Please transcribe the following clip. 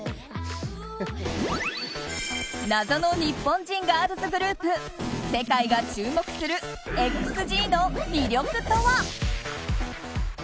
謎の日本人ガールズグループ世界が注目するＸＧの魅力とは。